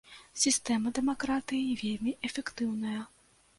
Сістэма дэмакратыі вельмі эфектыўная.